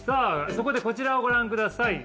そこでこちらをご覧ください